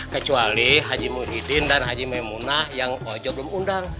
kecuali haji muhyiddin dan haji memunah yang ojo belum undang